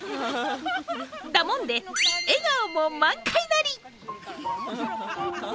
だもんで笑顔も満開なり。